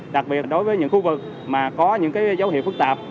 đặc biệt đối với những khu vực mà có những dấu hiệu phức tạp